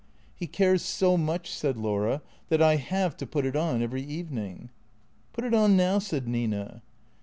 " He cares so much/' said Laura, " that I have to put it on every evening." " Put it on now," said Nina.